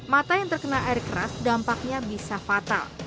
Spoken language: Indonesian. mata yang terkena air keras dampaknya bisa fatal